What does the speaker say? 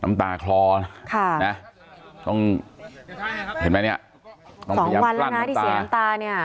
น้ำตาคลอค่ะนะต้องเห็นไหมเนี่ยสองวันแล้วนะที่เสียน้ำตาเนี่ย